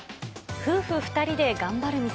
夫婦２人で頑張る店。